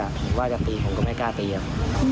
ผมว่าจะตีผมก็ไม่กล้าตีครับ